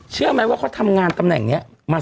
เชื่อไหมว่าเขาทำงานตำแหน่งนี้มา